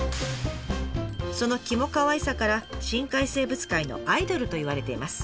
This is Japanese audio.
そのキモかわいさから深海生物界のアイドルといわれてます。